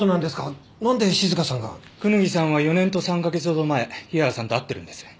なんで静香さんが。椚さんは４年と３カ月ほど前日原さんと会ってるんです。